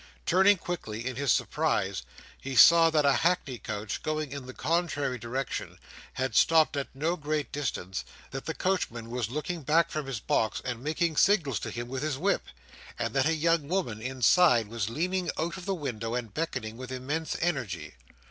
Turning quickly in his surprise, he saw that a hackney coach, going in the contrary direction, had stopped at no great distance; that the coachman was looking back from his box and making signals to him with his whip; and that a young woman inside was leaning out of the window, and beckoning with immense energy.